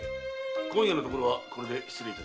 今夜のところはこれで失礼いたします。